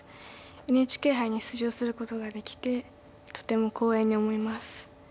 ＮＨＫ杯に出場することができてとても光栄に思います。